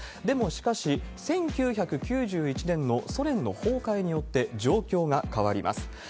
でもしかし、１９９１年のソ連の崩壊によって、状況が変わります。